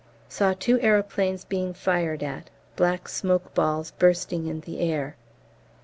Saw two aeroplanes being fired at, black smoke balls bursting in the air.